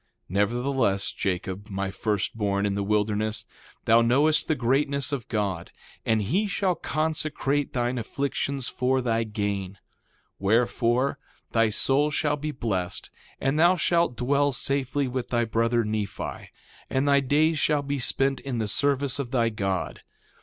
2:2 Nevertheless, Jacob, my first born in the wilderness, thou knowest the greatness of God; and he shall consecrate thine afflictions for thy gain. 2:3 Wherefore, thy soul shall be blessed, and thou shalt dwell safely with thy brother, Nephi; and thy days shall be spent in the service of thy God.